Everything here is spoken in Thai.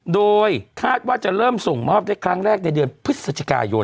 โดยคาดว่าจะเริ่มส่งมอบได้ครั้งแรกในเดือนพฤศจิกายน